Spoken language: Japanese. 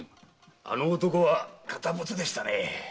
あの男は堅物でしたねえ。